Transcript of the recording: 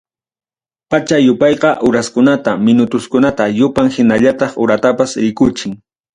Pacha yupayqa, uraskunata, minutuskunata yupan hinallataq uratapas rikuchin.